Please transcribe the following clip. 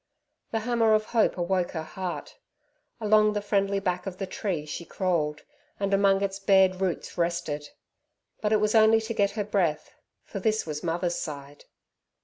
The hammer of hope awoke her heart. Along the friendly back of the tree she crawled, and among its bared roots rested. But it was only to get her breath, for this was mother's side.